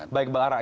baik mbak arak